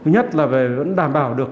nhất là vẫn đảm bảo được